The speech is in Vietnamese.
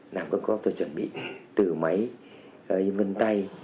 làm các góp tôi chuẩn bị từ máy vân tay